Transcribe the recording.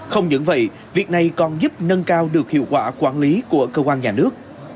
không những vậy việc này còn giúp nâng cao được hiệu quả quản lý của cơ quan nhà nước